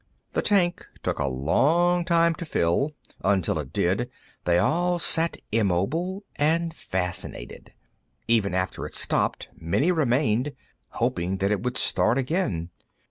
The tank took a long time to fill; until it did, they all sat immobile and fascinated. Even after it stopped, many remained, hoping that it would start again.